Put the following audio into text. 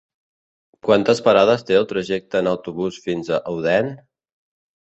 Quantes parades té el trajecte en autobús fins a Odèn?